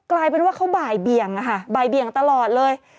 กลายเป็นว่าเขาบ่ายเบียงอะค่ะบ่ายเบียงตลอดเลย